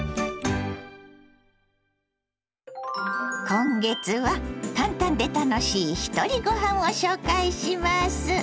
今月は「簡単で楽しいひとりごはん」を紹介します。